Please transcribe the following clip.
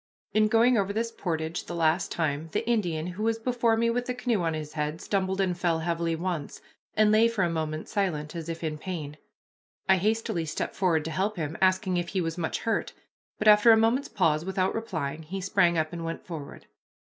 In going over this portage the last time, the Indian, who was before me with the canoe on his head, stumbled and fell heavily once, and lay for a moment silent as if in pain. I hastily stepped forward to help him, asking if he was much hurt, but after a moment's pause, without replying, he sprang up and went forward.